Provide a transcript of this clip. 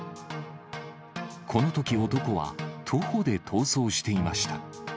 このとき、男は徒歩で逃走していました。